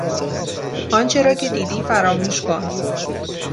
آنچه را که دیدی فراموش کن.